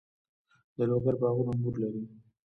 د لوګر باغونه انګور لري.